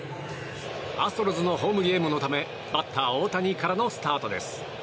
アストロズのホームゲームのためバッター大谷からのスタートです。